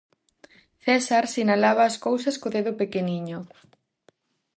César sinalaba as cousas co dedo pequeniño.